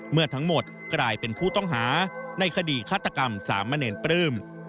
เมื่อทั้งหมดกลายเป็นผู้ต้องหาในคดีฆาตกรรมสามเณรปลื้ม